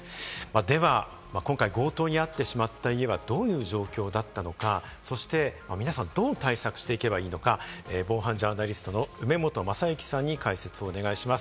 では今回、強盗に遭ってしまった家は、どういう状況だったのか、そして皆さん、どう対策していけばいいのか、防犯ジャーナリストの梅本正行さんに解説をお願いします。